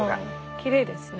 きれいですね。